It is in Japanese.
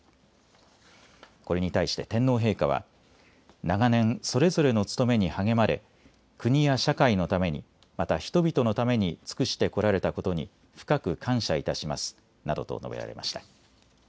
これに対して天皇陛下は長年それぞれの務めに励まれ国や社会のために、また人々のために尽くしてこられたことに深く感謝いたしますなどと述べられました。